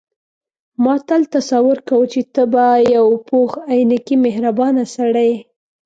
ما تل تصور کاوه چې ته به یو پوخ عینکي مهربانه سړی یې.